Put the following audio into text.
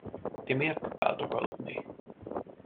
Ti miért utáltok aludni?